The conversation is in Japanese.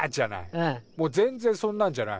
もう全然そんなんじゃない。